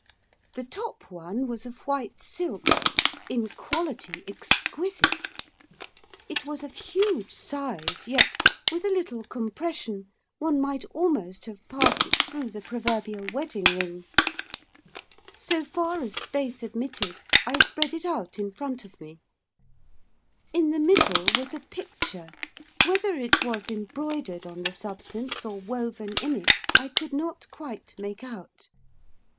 The top one was of white silk, in quality, exquisite. It was of huge size, yet, with a little compression, one might almost have passed it through the proverbial wedding ring. So far as space admitted I spread it out in front of me. In the middle was a picture, whether it was embroidered on the substance or woven in it, I could not quite make out.